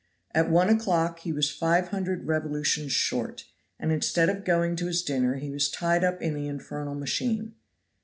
At one o'clock he was five hundred revolutions short, and instead of going to his dinner he was tied up in the infernal machine.